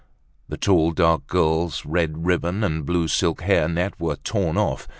The tall, dark girl's red ribbon and blue silk hair net were torn off.